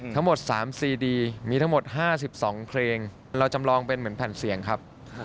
ทั้งหมด๓ซีดีมีทั้งหมด๕๒เพลงเราจำลองเป็นเหมือนแผ่นเสียงครับ